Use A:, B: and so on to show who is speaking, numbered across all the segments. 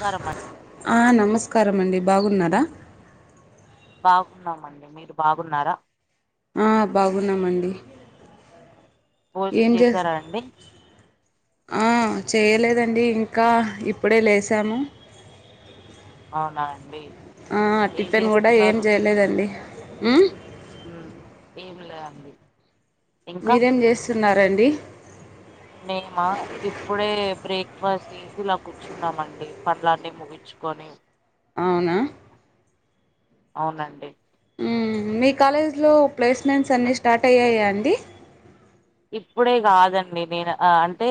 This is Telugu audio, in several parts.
A: కరమా
B: ఆ నమస్కారం అండి. బాగున్నార?
A: బాగున్నామండి. మీరు బాగున్నారా?
B: ఆ బాగున్నామండి
A: భోజనం
B: ఏం చేసి
A: చేసారా అండి
B: ఆ చేయలేదండి ఇంకా ఇప్పుడే లేసాము
A: అవునా అండి ఏం
B: టిఫెన్ కూడా ఏం
A: చేస్తున్నారు
B: చేయలేదండి
A: ఏం లే అండి
B: మీరేం చేస్తున్నరండి
A: మేమా ఇప్పుడే బ్రేక్ఫాస్ట్ చేసి ఇలా కూర్చున్నామండి పండ్లన్నీ ముగి చుకుని
B: అవునా
A: అవునండి
B: ఉమ్ మీ కాలేజ్లో ప్లేస్మెంట్స్ అన్నీ స్టార్ట్ అయ్యాయా అండి
A: ఇప్పుడే కాదండి నేను అంటే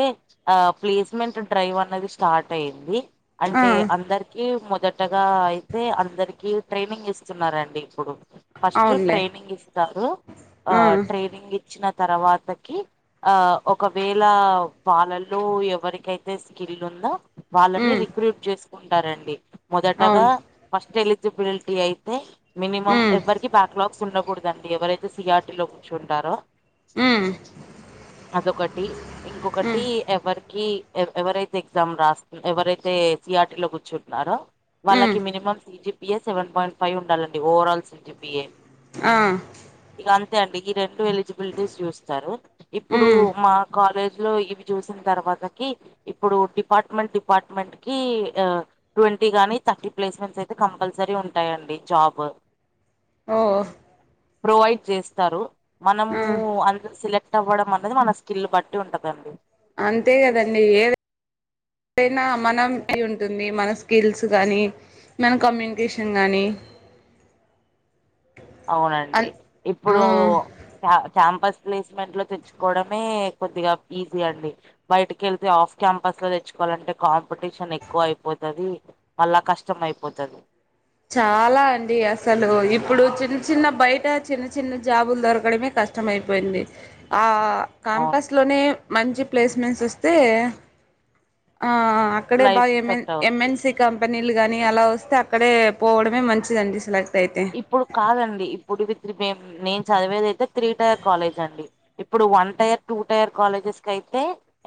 A: ఆ ప్లేస్మెంట్ డ్రైవ్ అన్నది స్టార్ట్ అయింది
B: ఆ
A: అంటే అందరికి మొదటగా అయితే అందరికి ట్రైనింగ్ ఇస్తున్నారండి ఇప్పుడు ఫస్ట్
B: అవునులే
A: ట్రైనింగ్ ఇస్తారు ఆ ట్రైనింగ్ ఇచ్చిన తర్వాత ఆ ఒకవేళ వాళ్లలో ఎవరికైతే స్కిల్ ఉందా వాళ్ళని
B: ఉమ్
A: రిక్రూట్ చేసుకుంటారండి మొదటగా
B: అవును
A: ఫస్ట్ ఎలిజిబిలిటీ అయితే మినిమం
B: ఉమ్
A: ఎవరికి బ్యాక్లాగ్ ఉండకూడదండి ఎవరైతే సిఆర్టిలో కూర్చుంటారో
B: ఉమ్
A: అదొకటి
B: ఉమ్
A: ఇంకొకటి ఎవరికి ఎవరైతే ఎగ్జామ్ రా ఎవరైతే సిఆర్టీ లో కూర్చుంటున్నారో
B: ఉమ్
A: వాళ్ళకి minimum CGPA seven point five ఉండాలండి ఓవరా ఆల్ సిజిపిఏ
B: ఆ
A: ఇక అంతే అండి ఈ రెండు ఎలిజిబిలిటీస్ చూస్తారు ఇప్పుడు
B: ఉమ్
A: మా కాలేజ్ లో ఇవి చూసిన తర్వాతకి ఇప్పుడు డిపార్ట్మెంట్ డిపార్ట్మెంట్ కి ఆ ట్వంటీ కానీ థర్టీ ప్లేస్మెంట్స్ అయితే కంపల్సరీ ఉంటాయండి జాబ్
B: ఓ
A: ప్రొవైడ్ చేస్తారు మనము
B: ఆ
A: స సిలెక్ట్ అవ్వడం అనేది మన స్కిల్ బట్టి ఉంటదండి
B: అంతే కదండి ఏద ఏదయినా మనం అ ఉంటుంది మన స్కిల్స్ కాగానీ మన కమ్యూనికేషన్ కానీ
A: అవునండి
B: అన్ ఆ
A: ఇప్పుడు క్యాంపస్ ప్లేస్మెంట్ లో తెచ్చుకోవడమే కొద్దిగా ఈజీ అండి బయటికి వెళ్తే ఆఫ్ క్యాంపస్ లో తెచ్చుకోవాలంటే కాంపిటీషన్ ఎక్కువ అయిపోతుది మళ్ళా కష్టం అయిపోతది
B: చాలా అండి అసలు ఇప్పుడు చిన్న చిన్న బయట చిన్న చిన్న జాబులు దొరకడమే కష్టం కష్టమైపోయింది ఆ
A: అవును
B: కాంపస్ లోనే మంచి ప్లేస్మెంట్స్ వస్తే ఆ ఇక్కడే బా
A: లైఫ్
B: ఎంఎన్
A: సెట్ అవుద్ది
B: ఎంఎన్సి కంపెనీలు గాని అలా వస్తే అక్కడే పోవడమే మంచిదండి సెలెక్ట్ అయితే
A: ఇప్పుడు కాదండి ఇప్పుడు మేం నేను చదివేది అయితే త్రీ టైర్ కాలేజ్ అండి ఇప్పుడు one tier two tier colleges కయితే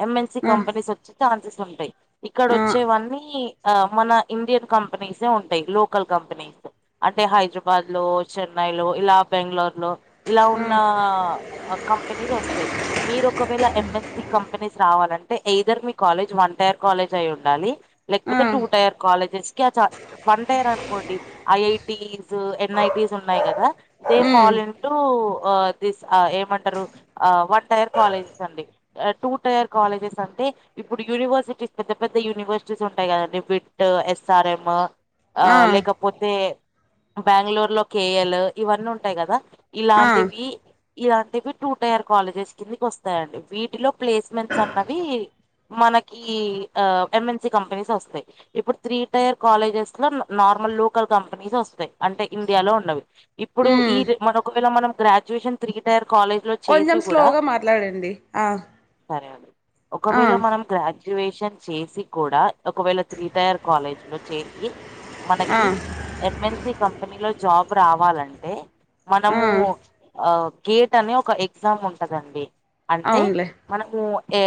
A: ఎంఎన్సి
B: ఆ
A: కంపెనీస్ వచ్చే ఛాన్సెస్ ఉంటాయి
B: ఆ
A: ఇక్కడొచ్చేవన్ని ఆ మన ఇండియన్ కంపెనీసే ఉంటాయి లోకల్ కంపెనీలు అంటే హైదరాబాద్ లో చెన్నై లో ఇలా బెంగళూరులో ఇలా
B: ఆ
A: ఉన్నా అ కంపెనీది వస్తాయి, మీరు ఒకవేళ ఎంఎన్సి కంపెనీస్ రావాలంటే ఎయిదర్ మీ కాలేజ్ వన్ టయర్ కాలేజ్ అయి ఉండాలి,
B: ఆ
A: లేకపోతే టూ టైర్ కాలేజెస్ కి ఆ ఛాన్స్ వన్ టైర్ అనుకోండి ఆ ఎయిట్ పిఈస్ ఎన్ఐపీస్ ఉన్నాయి, కదా దే
B: ఉమ్
A: ఫాల్ ఇన్ టు దిస్ ఏమంటరు వన్ టయర్ కాలేజెస్ అండి టూ టయర్ కాలేజెస్ అంటే ఇప్పుడు యూనివర్సిటీస్ పెద్దపెద్ద యూనివర్సిటీస్ ఉంటాయి, కదండి బిట్ ఎస్ఆర్ఎం ఆ లెకపోతే బెంగళూరు లో కేయల్ ఇవన్ని ఉంటాయి కదా
B: ఆ
A: ఇలాంటివి ఇలాంటివి టూ టయర్ కాలేజెస్ కిందకి వస్తాయండి వీటిలో ప్లేస్మెంట్స్ అన్నవి మనకీ ఆ ఎంఎన్సి కంపెనీస్ వస్తాయ్ ఇప్పుడు త్రీ టైర్ కాలేజెస్ లో నార్మల్ లోకల్ కంపెనీస్ వస్త అంటే ఇండియాలో ఉన్నవి ఇప్పుడు ఈ
B: ఉమ్
A: మన ఒకవేళ మనం గ్రాడ్యుయేషన్ త్రీ టైర్ కాలేజ్ లో
B: కొంచెం
A: చేసి కూడా
B: స్లోగా మాట్లాడండి ఆ
A: సరే అండి
B: ఆ
A: ఒకవేళ మనం గ్రాడ్యుయేషన్ చేసి కూడా ఒకవేళ త్రీ టయర్ కాలేజ్ లో చేసి
B: ఆ
A: మనకి ఎంఎన్, ఎంఎన్సి కంపెనీలో జాబ్ రావాలంటే
B: ఆ
A: మనము అ గేట్ అనే ఒక ఎగ్జామ్ ఉంటదండి అంటే
B: అవునులే
A: మనము ఏ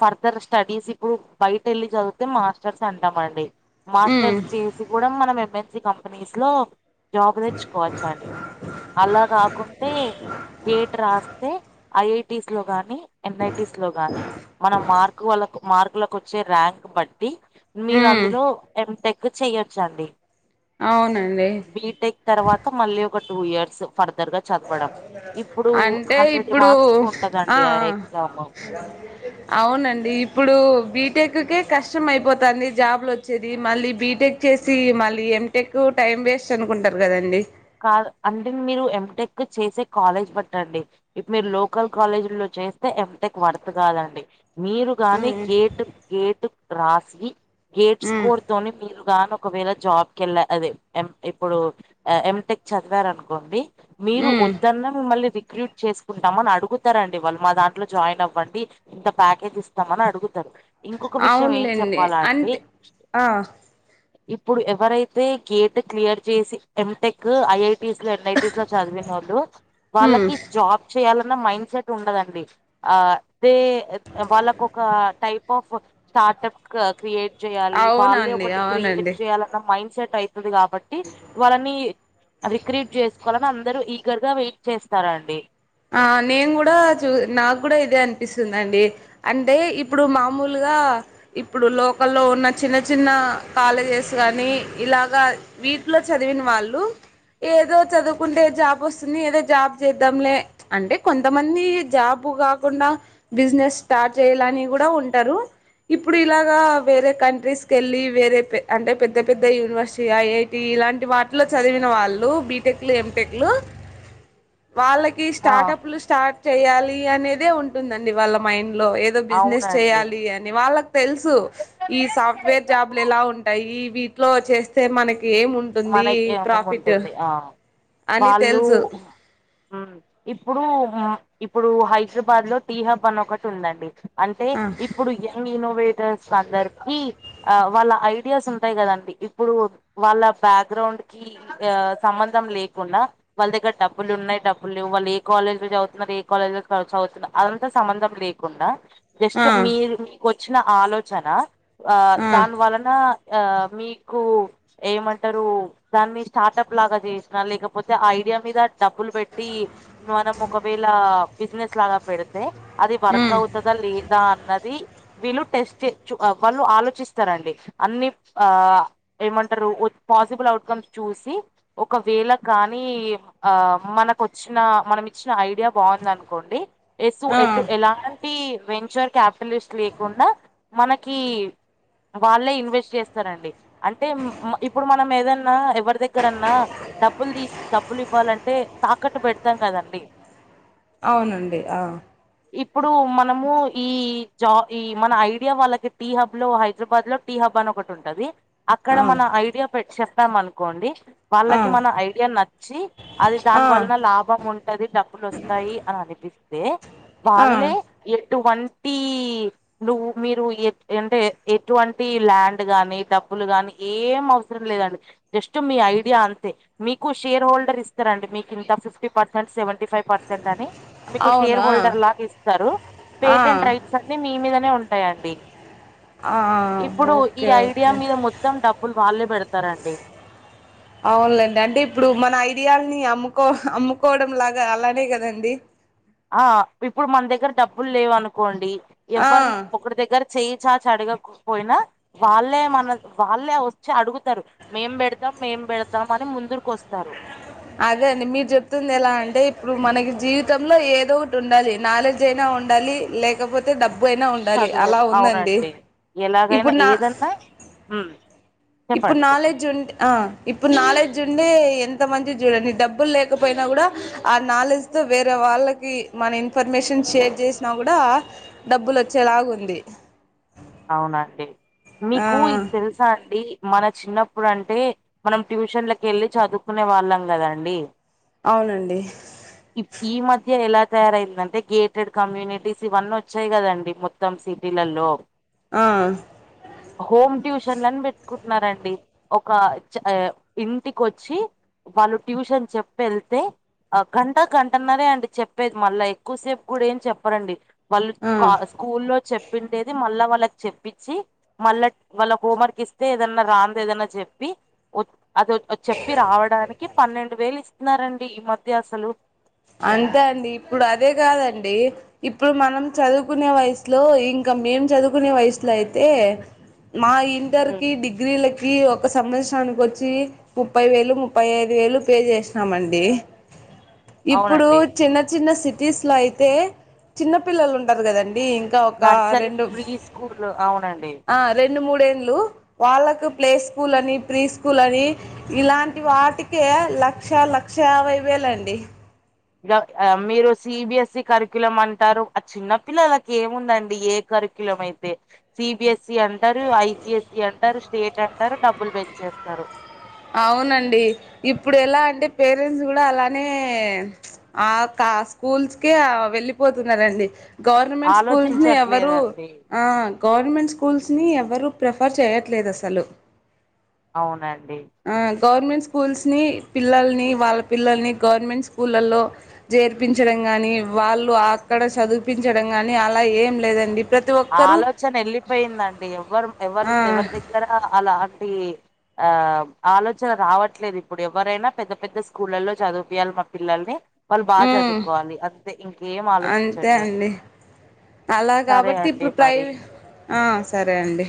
A: ఫర్దర్ స్టడీస్ ఇప్పుడు బయటెల్లి చదివితే మాస్టర్స్ అంటామండి
B: ఉమ్
A: మాస్టర్స్ చేసి కూడా మనం ఎంఎన్సి కంపెనీస్ లో జాబ్ తెేచ్చుకోవచ్చ అండి అలా కాకుంటే గేట్ రాస్ అంటే ఐఐటీస్ లో గాని ఎన్ఐటిస్ లో గాని మన మార్కు వాళ్లకు మార్కులకు వచ్చే ర్యాంక్ బట్టి మీరు
B: ఉమ్
A: అందులో ఎంటెక్ చెయొచ్చండి,
B: అవునండి
A: బీటెక్ తరవాత మళ్ళీ ఒక టూ ఇయర్స్ ఫర్దర్ గా చదవడం, ఇప్పుడు
B: అంటే
A: హండ్రెడ్
B: ఇప్పుడు
A: మార్క్స్ కు
B: ఆఆ
A: ఉంటదండి ఆ ఎగ్జామ్
B: అవునండి ఇప్పుడు బీటెక్ కే కష్టం అయిపోతుంది, జాబ్లు వచ్చేది మళ్ళీ బీటెక్ చేసి మళ్ళీ ఎంటెక్ టైం వేస్ట్ అనుకుంటారు కాదండి,
A: కాదు అంటే మీరు ఎంటెక్ చేసే కాలేజ్ బట్టండి ఇప్పుడు మీరు లోకల్ కాలేజీ లో చేస్తే ఎంటెక్ వర్త్ కాదండి మీరుగాని
B: ఉమ్
A: గేటుం గేటు రాసి గేట్స్
B: ఉమ్
A: కోర్ తోని మీరుగానీ ఒకవేళ జాబ్ కెళ్ళ అదే ఎం ఇప్పుడు ఎం ఎంటెక్ చదివారనుకోండి మీరు
B: ఉమ్
A: వద్దన్న మిమ్మల్ని వి రిక్రూట్ చేసుకుంటామని అడుగుతారండి వాళ్ళు మా దాంట్లో జాయిన్ అవ్వండి, ఇంత ప్యాకేజ్ ఇస్తామని అడుగుతరు ఇంకొక విషయం ఏం
B: అవునులేండి
A: చెప్పాలా అండి
B: అంతే ఆ
A: ఇప్పుడు ఎవరైతే గేట్ క్లియర్ చేసి ఎంటెక్ ఐఐ స్ లో ఎన్ఐటిస్ లో చదివినోళ్ళు
B: ఉమ్
A: వాళ్ళకి జాబ్ చేయాలన్న మైండ్ సెట్ ఉండదండి, ఆదే వాళ్ళకు ఒక టైప్ ఆఫ్ స్టార్ట్ప్ క్రియేట్ చేయాలి వాళ్ళే
B: అవునండి
A: ఒకటి క్రియేట్
B: అవునండి
A: చేయాలన్న మైండ్ సెట్ అయితది కాబట్టి వాళ్ళని రిక్రూట్ చేసుకోవాలని అందరూ ఈగర్ గా వెయిట్ చేస్తారండి,
B: ఆ నేను కూడా చూ నాకు కూడా ఇదే అనిపిస్తుందండి, అంటే ఇప్పుడు మామూలుగా ఇప్పుడు లోకల్లో ఉన్న చిన్న చిన్న కాలేజెస్ గానీ ఇలాగా వీటిలో చదివిన వాళ్ళు ఏదో చదువుకుంటే జాబ్ వస్తుంది, ఏదో జాబ్ చేద్దాంలే అంటే కొంతమంది జాబు కాకుండా బిజినెస్ స్టార్ట్ చేయాలని కూడ ఉంటరు. ఇప్పుడు ఇలాగా వేరే కంట్రీస్ కెళ్ళి, వేరే అంటే పెద్ద పెద్ద యూనివర్సిటీ ఐఐ టీ ఇలాంటి వాటిలో చదివిన వాళ్ళు బిటెక్ లు, ఎంటెక్ లు వాళ్ళకి
A: ఆ
B: స్టార్టప్లు స్టార్ట్ చేయాలి అనేదే ఉంటుందండి వాళ్ళ మైండ్ లో, ఏదో బిజినెస్
A: అవునండి
B: చేయాలి అన్ డి వాళ్ళకు తెలుసు ఈ సాఫ్ట్వేర్ జాబ్లు ఎలా ఉంటాయి, ఈ వీటిలో చేస్తే మనకి ఏం ఉం
A: మనకేమో ఉంటుంది ఆ
B: అని
A: వాళ్ళు
B: తెలుసు
A: ఉమ్ ఇప్పుడు ఇప్పుడు హైదరాబాద్ లో టీహబ్ అన్ ఒకటి ఉందండి. అంటే
B: ఆ
A: ఇప్పుడు యంగ్ ఇన్నోవేటర్స్ అందరికి ఆ వాళ్ళ ఐడియాస్ ఉంటాయి కదండి, ఇప్పుడు వాళ్ళ బ్యాక్గ్రౌండ్ కి ఈ ఆ సంబంధం లేకుండా వాళ్ళ దగ్గర డబ్బులు ఉన్నాయి డబులు లెవ్ వాళ్ల దగ్గర డబ్బులున్నయి, డబ్బుల్లేవు, వాళ్ళు ఏ కాలజ్ లో చదువుతున్నరు, ఏ కాలేజ్ లో క చదువుతున్నారు అది అంత సంబంధం లే కుండా జస్ట్
B: ఆ
A: మీరు మీకు వచ్చిన ఆలోచన, ఆ దాని వలన ఆ మీకు ఏమన్ టరు దాన్ని స్టార్టప్ లాగా చేసిన, లేకపోతే ఐడియా మీద డబ్బులు పెట్టి మనం ఒకవేళ బిజినెస్ లాగా పెడితే అది వర్క్
B: ఉమ్
A: అవు తద లేదా అన్నది వీళ్ళు టెస్ట్ చే ఆ వాళ్ళు ఆలోచిస్తరండి అన్ని ఆ ఏమంటరు ఉత్ పాసిబుల్ అవుట్కమ్స్ చూసి ఒకవేళ కాని ఆ మనకొచ్చిన మనం ఇచ్చిన ఐడియా బాగుంది అనుకోండి ఎస్సు
B: ఆ
A: ఎటు ఎలా టీ వెంచర్ క్యాపిటలిస్ట్ లేకుండా మనకి వాళ్ళే ఇన్వెస్ట్ చేస్తరండి అంటే ఇప్ ఇప్పుడు మనం ఏదన్నా ఎవరి దగ్గరన్నా డబ్బులు తీసి, డబ్బులు ఇవ్వాలంటే తాకట్టు పెట్ తరు కదండి
B: అవునండి ఆ
A: ఇప్పుడు మనము ఈ జా ఈ మన ఐడియా వాళ్ళకి టీ హబ్ లో హైదరాబాద్ లో టీ హబ్ అని ఒకటి ఉంటది, అక్కడ
B: ఆ
A: మన ఐడియా పె చెప్పాం అనుకోండి
B: ఆ
A: వాళ్ళకి మన ఐడియా నచ్చి అది
B: ఆ
A: దాని వలన లాభం ఉం ది డబ్బులు వస్తాయి అని అనిపిస్తే,
B: ఆ
A: వాళ్ళే ఎటువంటీ నువ్వు మీరు ఎ అంటే ఎటువంటి ల్యాండ్ గాని డబ్బులు గానీ ఏం అవు సరం లేదండి జస్ట్ మీ ఐడియా అంతే, మీకు షేర్ హోల్డర్ ఇస్తరండి మీకు ఇంత fifty percent, seventy five percent అని, మీకు
B: అవును
A: షేర్
B: ఆ
A: హోల్డర్ లాగ ఇస్తరు,
B: ఆ
A: పేటెంట్ ట్రై సన్నీ మీ మీదనే ఉంటయండి,
B: ఆ
A: ఇప్పుడు ఈ
B: ఓకే
A: ఐడియా
B: ఓకే
A: మీద మొత్ తం డబ్బులు వాళ్ళే పెడతరండి.
B: అవునులేండి అంటే ఇప్పుడు మన ఐడియాలని అమ్ముకో, అమ్ముకోవడం లాగా అలానే కదండి?
A: ఆ ఇప్పుడు మన దగ్గర డబ్బులు లేవు అనుకోండి,
B: ఆ
A: ఎవరిన ఒకరి దగ్గర చేయి చాచ అడగకపోయినా వాళ్ళే మన వాళ్ళే ఓ చ్చి అడుగుతరు మేం పెడతం, మేం పెడతం అని ముందరకు వస్తారు.
B: అదే అండి మీరు చెప్తుంది ఎలా అంటే ఇప్పుడు మనకి జీవితంలో ఏదో ఒకటి ఉండాలి, నాలెడ్జ్ అయినా ఉండాలి లేకపోతే డబ్బు అయినా ఉండాలి
A: చదువు
B: అలా ఉందండి
A: అవునండి
B: ఇప్పుడు నా
A: ఉ
B: ఇప్పుడు నాలెడ్జ్ ఉంట్ ఆ ఇప్పుడు నాలెడ్జ్ ఉండే ఎంత మంచి చూడండి డబ్బులు లేకపోయినా కూడ ఆ నాలెడ్జ్తో వేరే వాళ్ళ కి మన ఇన్ఫర్మేషన్ షేర్ చేసినా కూడా డబ్బులు వచ్చేలాగు ఉంది
A: అవునండి
B: ఆ
A: మీకు ఇది తెలు సా అండి మన చిన్నప్పుడు అంటే మనం ట్యూషన్లకెళ్ళి చదువుకునే వాళ్ళం కదండి
B: అవునండి
A: ఈ మధ్య ఎలా తయారైందంటే గేటెడ్ కమ్యూనిటీస్ ఇవన్నీ వచ్చాయి కదండి మొత్తం సిటీలల్లో
B: ఆ
A: హోమ్ ట్యూషన్లని పెట్టుకుంటున్నారండి ఒక చ ఇంటికొచ్చి వాళ్ళు ట్యూషన్ చెప్పి ఏళ్తే గంట గంటన్నారే అండి చెప్పేది మళ్ళా ఎక్కువ సేపు కూడా ఏమి చెప్పరండి వాళ్ళు
B: ఆ
A: స్కూల్లో చెప్పిందేది మళ్ళా వాళ్ళకి చెప్పించి మళ్ళ వాళ్ళ హోంవర్క్ ఇస్తే ఏదన్నా రాంది ఏదన్నా చెప్పి వద్ అద చెప్పి రావడానికి పన్నెండు వేలు ఇస్తున్నారండి ఈ మధ్య అసలు
B: అంతే అండి ఇప్పుడు అదే కాదండి ఇప్పుడు మనం చదువుకునే వయసులో ఇంక మేం చదువుకునే వయసులో అయితే మా ఇంటర్
A: ఉమ్,
B: కి డిగ్రీలకి ఒక సంవత్సరానికి వచ్చి ముప్పై వేలు ముప్పై ఐదు వేలు పే చేసినామండి ఇప్పుడు
A: అవునండి
B: చిన్న చిన్న సిటీస్ లో అయితే చిన్న పిల్లలు ఉంటారు కదండి ఒక
A: నర్సరీ
B: రెండు
A: ప్రీ స్కూల్ అవునండి
B: ఆ రెండు మూడేండ్లు వాళ్ళకు ప్లే స్కూలని ప్రీ స్కూలని ఇలాంటి వాటికే లక్ష లక్ష యాభై వేలండి
A: గ మీరు సిబిఎస్ఈ కరికులం అంటారు ఆ చిన్నపిల్లలకి ఏముందండి ఏ కర్క్యులమైతే సిబిఎస్సి అంటారు ఐసిఎస్సి అంటారు స్టేట్ అంటారు డబ్బులు పెంచేస్తారు
B: అవునండి ఇప్పుడు ఎలా అంటే పేరెంట్స్ కూడా అలానే ఆ క స్కూల్స్ కే వెళ్ళిపోతున్నారండి గవర్నమెంట్ స్కూల్స్ని ఎవరు
A: ఆలోచించట్లేదండి
B: గవర్నమెంట్ స్కూల్స్ని ఎవరు ప్రిఫర్ చేయట్లేదు అసలు
A: అవునండి
B: గవర్నమెంట్ స్కూల్స్ని పిల్లల్ని వాళ్ళ పిల్లల్ని గవర్నమెంట్ స్కూళ్ళలో చేర్పించడం గాని వాళ్ళు అక్కడ చదివిపించడం గాని అలా ఏం లేదండి ప్రతి
A: ఆ
B: ఒక్కరూ
A: ఆలోచన వెళ్ళిపోయిందండి ఎవరు ఎవరు
B: ఆ
A: ఎవరి దగ్గర అలాంటి ఆ ఆలోచన రావట్లేదు ఇప్పుడు ఎవరైనా పెద్ద పెద్ద స్కూళ్ళలో చదివిపియాలి మా పిల్లల్ని వాళ్ళు బాగా
B: ఉమ్
A: చదువుకోవాలి అంతే ఇంకేం
B: అంతే
A: ఆలోచించట్లేదు
B: అండి అలా
A: సరే
B: కాబట్టి
A: అండి
B: ఇప్పుడు
A: మరి
B: ప్రైవే ఆ సరే అండి